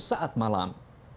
pengunjung saat malam